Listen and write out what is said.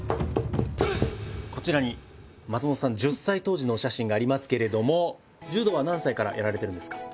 こちらに松本さん１０歳当時のお写真がありますけれども柔道は何歳からやられてるんですか？